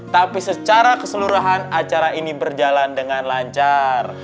tapi secara keseluruhan acara ini berjalan dengan lancar